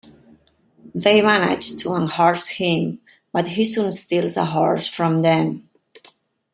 They manage to unhorse him but he soon steals a horse from them.